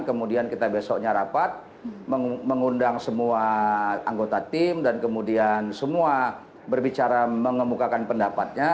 kemudian kita besoknya rapat mengundang semua anggota tim dan kemudian semua berbicara mengemukakan pendapatnya